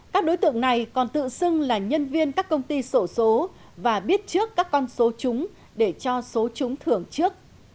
các đối tượng này còn tự xưng là nhân viên các công ty sổ số và biết trước các con số chúng để cho số chúng thưởng trước